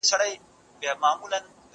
زه به سبا ږغ اورم وم!.